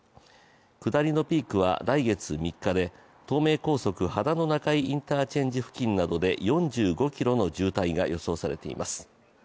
下りのピークは来月３日で東名高速秦野中井インターチェンジ付近などで４５ｋｍの渋滞が予想されています。